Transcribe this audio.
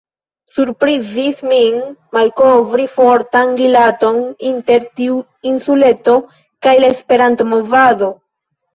Surprizis min malkovri fortan rilaton inter tiu insuleto kaj la Esperanto-movado.